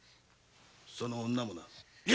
その女もな。